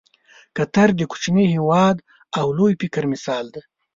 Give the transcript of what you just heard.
قطر د کوچني هېواد او لوی فکر مثال دی.